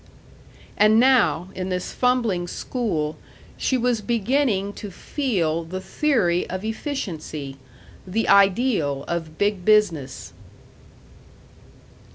And now, in this fumbling school, she was beginning to feel the theory of efficiency, the ideal of Big Business.